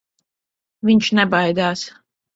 Viņš nebaidās.